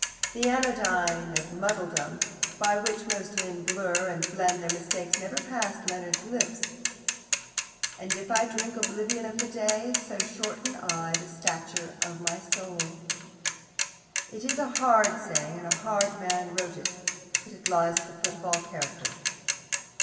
The anodyne of muddledom, by which most men blur and blend their mistakes, never passed Leonard's lips And if I drink oblivion of a day, So shorten I the stature of my soul. It is a hard saying, and a hard man wrote it, but it lies at the foot of all character.